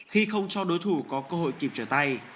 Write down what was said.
khi không cho đối thủ có cơ hội kịp trở tay